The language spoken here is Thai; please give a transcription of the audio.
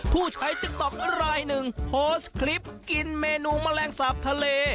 ผู้ใช้ติ๊กต๊อกรายหนึ่งโพสต์คลิปกินเมนูแมลงสาปทะเล